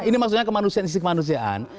ini maksudnya kemanusiaan isi kemanusiaan